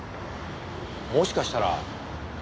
もしかしたら。